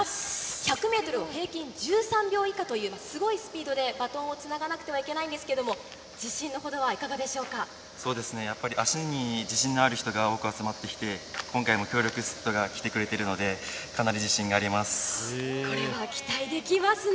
１００メートルを平均１３秒以下といえば、すごいスピードでバトンをつながなくてはいけないんですけれども、そうですね、やっぱり足に自信のある人が多く集まってきて、今回も強力助っ人が来てくれていこれは期待できますね。